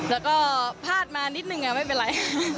แล้วก็พลาดมานิดนึงไม่เป็นไร